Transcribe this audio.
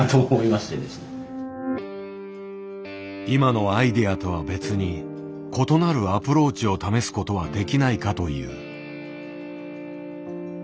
今のアイデアとは別に異なるアプローチを試すことはできないかという。